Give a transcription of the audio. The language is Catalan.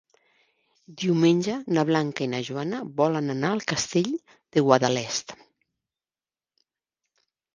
Diumenge na Blanca i na Joana volen anar al Castell de Guadalest.